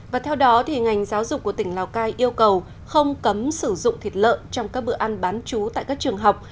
và theo đó ngành giáo dục của tỉnh lào cai yêu cầu không cấm sử dụng thịt lợn trong các bữa ăn bán chú tại các trường học